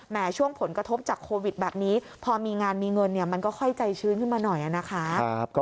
ช่วงผลกระทบจากโควิดแบบนี้พอมีงานมีเงินมันก็ค่อยใจชื้นขึ้นมาหน่อยนะคะ